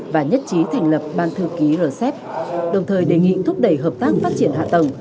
và nhất trí thành lập ban thư ký rcep đồng thời đề nghị thúc đẩy hợp tác phát triển hạ tầng